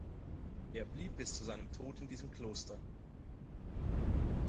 Er blieb bis zu seinem Tod in diesem Kloster.